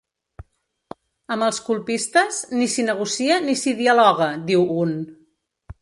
Amb els colpistes, ni s’hi negocia ni s’hi dialoga, diu un.